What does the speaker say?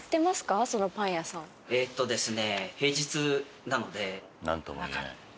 えーっとですね。